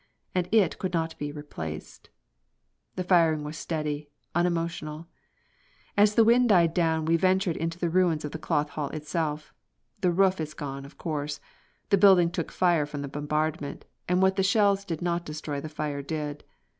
And it could not be replaced. The firing was steady, unemotional. As the wind died down we ventured into the ruins of the Cloth Hall itself. The roof is gone, of course. The building took fire from the bombardment, and what the shells did not destroy the fire did.